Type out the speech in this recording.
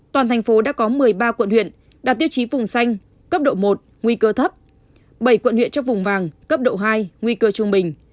toàn thành phố đã có một mươi ba quận huyện đạt tiêu chí vùng xanh cấp độ một nguy cơ thấp bảy quận huyện cho vùng vàng cấp độ hai nguy cơ trung bình